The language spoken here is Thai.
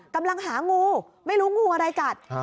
กำลังหางูไม่รู้งูอะไรกัด